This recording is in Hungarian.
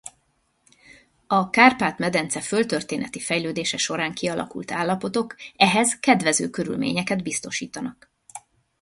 A Kárpát-medence földtörténeti fejlődése során kialakult állapotok ehhez kedvező körülményeket biztosítanak.